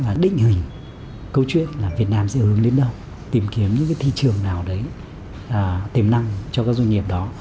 là định hình câu chuyện là việt nam sẽ hướng đến đâu tìm kiếm những thị trường nào đấy tìm năng cho các doanh nghiệp đó